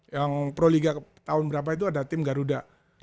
yang proliga tahun berapa itu ada tim garuda